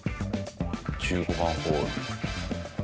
１５番ホール。